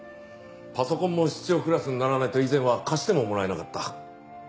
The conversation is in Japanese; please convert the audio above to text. パソコンも室長クラスにならないと以前は貸してももらえなかった。